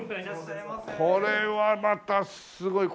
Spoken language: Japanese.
これはまたすごい。